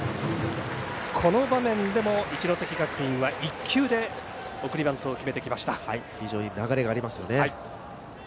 この場面でも一関学院は１球で送りバントを非常に流れがありますね。